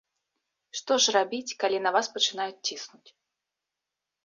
Што ж рабіць, калі на вас пачынаюць ціснуць?